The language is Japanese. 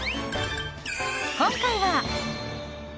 今回は。